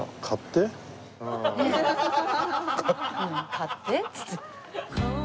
「買って？」っつって。